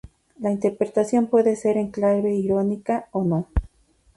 La interpretación puede ser en clave irónica o no.